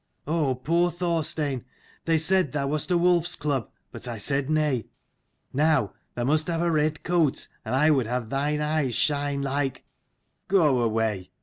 Oh poor Thorstein, they said thou wast a wolf's cub : but I said nay. Now, thou must have a red coat, and I would have thine eyes shine like " "Go away